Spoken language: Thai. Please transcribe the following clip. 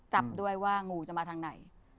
จับด้วยว่างูจะมาทางไหน